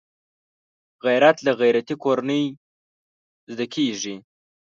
غیرت له غیرتي کورنۍ زده کېږي